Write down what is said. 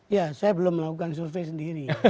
ya saya belum melakukan survei sendiri